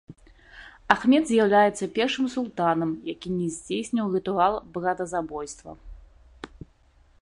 Ахмед з'яўляецца першым султанам, які не здзейсніў рытуал братазабойства.